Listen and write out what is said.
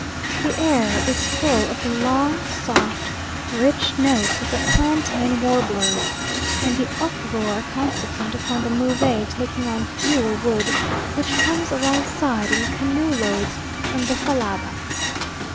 The air is full of the long, soft, rich notes of the plantain warblers, and the uproar consequent upon the Move taking on fuel wood, which comes alongside in canoe loads from the Fallaba.